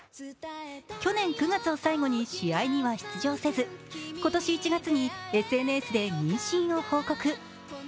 去年９月を最後に試合にでは出場せず、今年１月にＳＮＳで妊娠を報告。